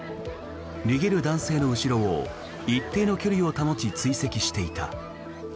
逃げる男性の後ろを一定の距離を保ち追跡していた。